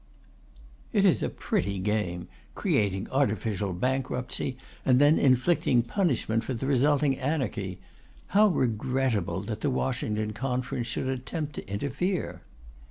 It is a pretty game: creating artificial bankruptcy, and then inflicting punishment for the resulting anarchy. How regrettable that the Washington Conference should attempt to interfere!